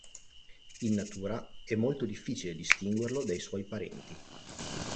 In natura è molto difficile distinguerlo dai suoi parenti.